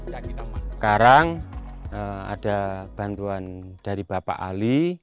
sekarang ada bantuan dari bapak ali